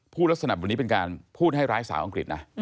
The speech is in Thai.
ลักษณะแบบนี้เป็นการพูดให้ร้ายสาวอังกฤษนะ